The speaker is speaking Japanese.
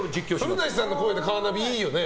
古舘さんの声でカーナビいいよね。